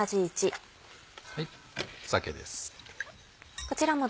酒です。